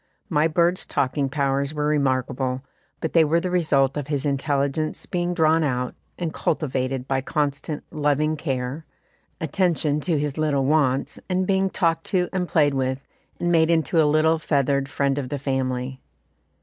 My bird's talking powers were remarkable, but they were the result of his intelligence being drawn out and cultivated by constant, loving care, attention to his little wants, and being talked to and played with, and made into a little feathered friend of the family.